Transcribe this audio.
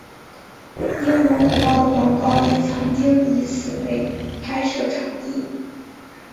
英文虎报的广告也曾经以此为拍摄场地。